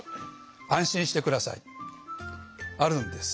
安心して下さいあるんです。